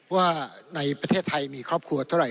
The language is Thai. ว่าในประเทศไทยมีครอบครัวเท่าไห